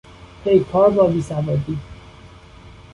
پیکار با بیسوادی